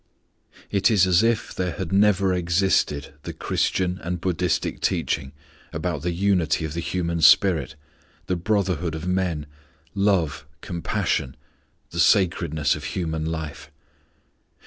It is as if there never had existed the Christian and Buddhistic teaching about the unity of the human spirit, the brotherhood of men, love, compassion, the sacredness of human life.